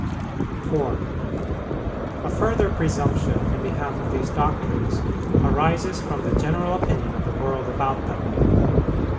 4. A further presumption in behalf of these doctrines arises from the general opinion of the world about them.